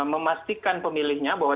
memastikan pemilihnya bahwa